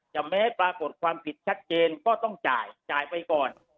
แม้ปรากฏความผิดชัดเจนก็ต้องจ่ายจ่ายไปก่อน